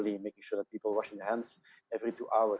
memastikan orang mencuci tangan setiap dua jam